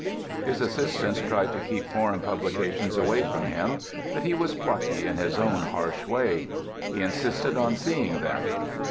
His assistants tried to keep foreign publications away from him, but he was plucky in his own harsh way. He insisted on seeing them.